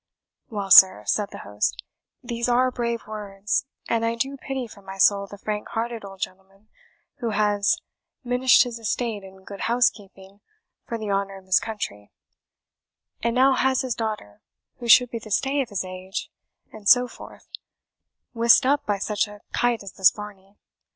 "Well, sir," said the host, "these are brave words; and I do pity from my soul the frank hearted old gentleman, who has minished his estate in good housekeeping for the honour of his country, and now has his daughter, who should be the stay of his age, and so forth, whisked up by such a kite as this Varney.